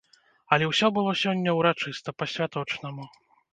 Але ўсё было сёння ўрачыста, па-святочнаму.